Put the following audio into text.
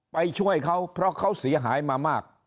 ไปช่วยเขาเพราะเขาเสียหายมามาก